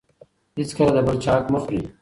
هېڅکله د بل چا حق مه خورئ.